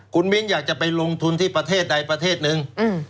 คุณมิ้นอยากจะไปลงทุนที่ประเทศใดประเทศนึง